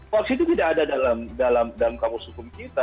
hoax itu tidak ada dalam kamus hukum kita